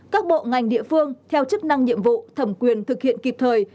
các bộ ngành địa phương theo chức năng nhiệm vụ thẩm quyền thực hiện kịp thời